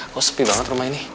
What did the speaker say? kok sepi banget rumah ini